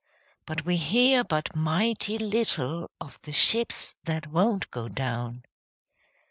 But we hear but mighty little Of the ships that won't go down.